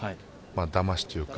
だましというか。